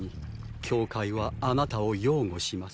教会はあなたを擁護します。